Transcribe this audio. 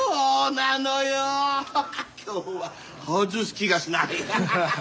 今日は外す気がしないわあ。